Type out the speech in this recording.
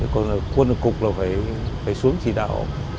còn quân cục là phải xuống chỉ đạo